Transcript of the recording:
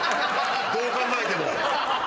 どう考えても。